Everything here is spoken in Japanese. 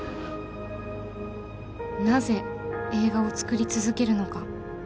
「なぜ映画をつくり続けるのか？」。